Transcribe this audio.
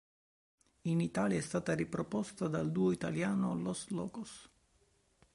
In Italia è stata riproposta dal duo italiano Los Locos.